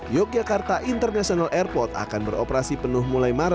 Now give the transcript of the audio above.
yogyakarta international airport akan beroperasi penuh